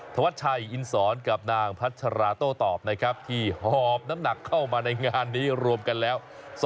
ธวัดชัยอินสอนกับนางพัชราโต้ตอบนะครับที่หอบน้ำหนักเข้ามาในงานนี้รวมกันแล้ว